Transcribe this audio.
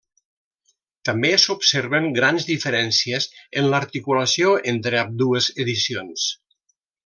També s'observen grans diferències en l'articulació entre ambdues edicions.